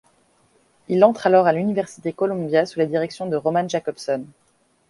Il entre alors à l'université Columbia sous la direction de Roman Jakobson.